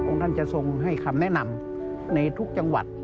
ท่านจะทรงให้คำแนะนำในทุกจังหวัด